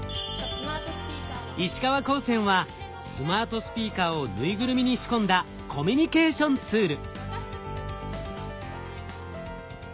石川高専はスマートスピーカーをぬいぐるみに仕込んだコミュニケーションツール。